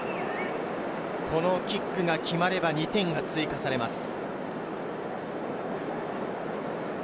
このキックが決まれば２点が追加されます。